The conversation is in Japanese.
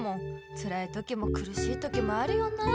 つらい時もくるしい時もあるよなあ